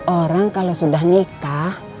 orang kalau sudah nikah